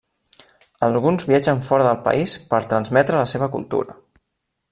Alguns viatgen fora del país per transmetre la seva cultura.